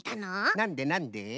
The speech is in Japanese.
なんでなんで？